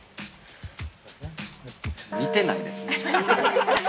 ◆見てないですね。